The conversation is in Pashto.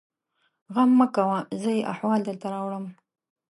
_غم مه کوه! زه يې احوال درته راوړم.